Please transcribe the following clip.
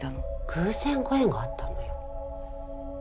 偶然ご縁があったのよ